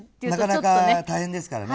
なかなか大変ですからね